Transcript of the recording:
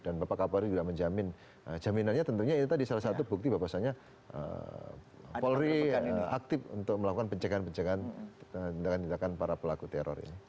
dan bapak kapolri juga menjamin jaminannya tentunya tadi salah satu bukti bahwasanya polri aktif untuk melakukan pencegahan pencegahan tindakan tindakan para pelaku teror ini